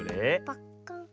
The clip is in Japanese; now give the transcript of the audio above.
パッカーン。